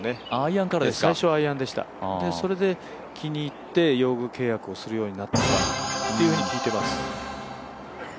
最初アイアンですよね、それで気に入って用具契約をするようになったと聞いています。